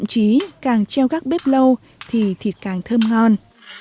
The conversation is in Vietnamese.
một thời gian rất dài thậm chí càng treo gác bếp lâu thì thịt càng thơm ngon